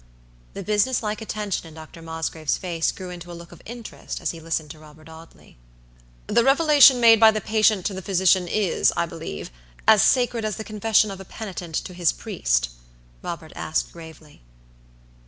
The business like attention in Dr. Mosgrave's face grew into a look of interest as he listened to Robert Audley. "The revelation made by the patient to the physician is, I believe, as sacred as the confession of a penitent to his priest?" Robert asked, gravely.